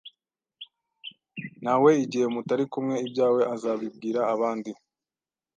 nawe igihe mutari kumwe ibyawe azabibwira abandi.